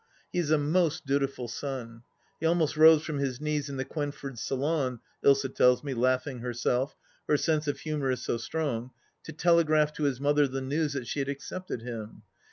He is a most dutiful son. He almost rose from his knees in the Quenfords' salon, Ilsa tells me, laughing herself — her sense of humour is so strong — to telegraph to his mother the news that she had accepted him.